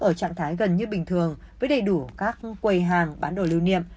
ở trạng thái gần như bình thường với đầy đủ các quầy hàng bán đồ lưu niệm